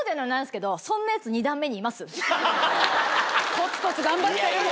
コツコツ頑張ってる。